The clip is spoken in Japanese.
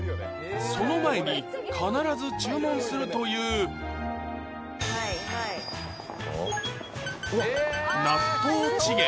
その前に必ず注文するという納豆チゲ